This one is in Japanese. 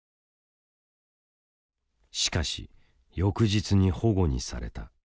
しかし翌日にほごにされた。